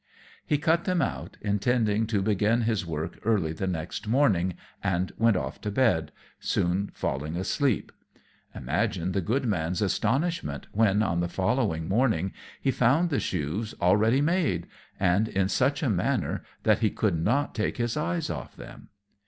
He cut them out, intending to begin his work early the next morning, and went to bed, soon falling asleep. Imagine the good man's astonishment when, on the following morning, he found the shoes already made, and in such a manner that he could not take his eyes off them.